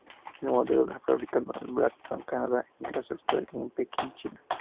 El modelo es fabricado en Brampton, Canadá, en Graz, Austria, y en Pekín, China.